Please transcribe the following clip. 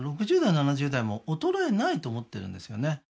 ６０代７０代も衰えないと思ってるんですよね